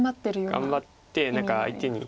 頑張って何か相手に。